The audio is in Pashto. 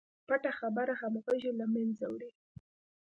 پټه خبره همغږي له منځه وړي.